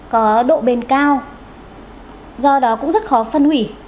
có độ bền cao do đó cũng rất khó phân hủy